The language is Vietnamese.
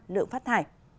lượng phát thải